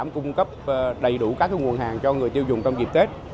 các nguồn hàng cho người tiêu dùng trong dịp tết